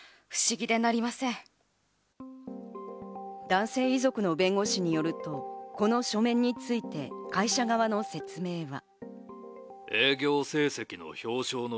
男性遺族の弁護士によると、この書面について会社側の説明は。